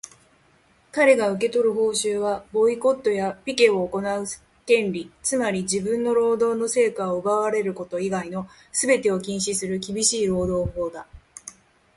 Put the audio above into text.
かれが受け取る報酬は、ボイコットやピケを行う権利、つまり自分の労働の成果を奪われること以外のすべてを禁止する厳しい労働法だ。